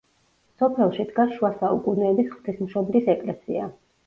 სოფელში დგას შუა საუკუნეების ღვთისმშობლის ეკლესია.